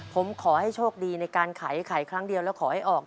ผมขอให้โชคดีในการไขครั้งเดียวแล้วขอให้ออก